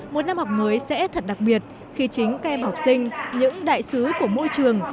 một năm học mới sẽ thật đặc biệt khi chính các em học sinh những đại sứ của môi trường